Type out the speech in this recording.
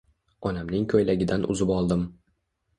Onamning ko'ylagidan uzib oldim.